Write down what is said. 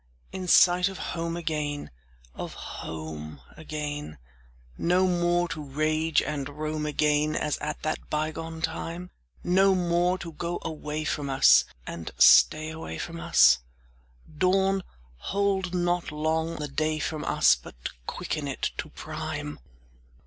In sight of home again, Of home again; No more to range and roam again As at that bygone time? No more to go away from us And stay from us?— Dawn, hold not long the day from us, But quicken it to prime!